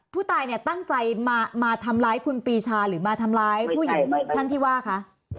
ผู้ตายเนี่ยตั้งใจมาทำร้ายคุณปีชาหรือมาทำร้ายผู้หญิงท่านที่ว่าคะ